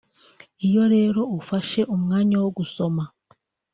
Iyo rero ufashe umwanya wo gusoma